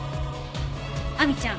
亜美ちゃん